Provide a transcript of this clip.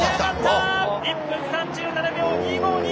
１分３７秒２５２！